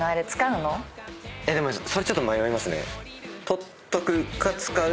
でもそれちょっと迷いますね。